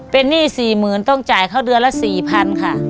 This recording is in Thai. เป็นหนี้๔๐๐๐ต้องจ่ายเขาเดือนละ๔๐๐๐ค่ะ